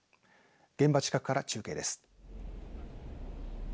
現場近くから中継です。